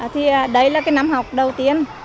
thì đấy là cái năm học đầu tiên